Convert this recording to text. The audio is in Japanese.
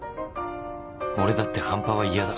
俺だって半端は嫌だ！